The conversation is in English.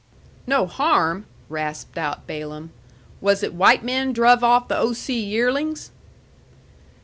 "No harm?" rasped out Balaam. "Was it white men druv off the O. C. yearlings?"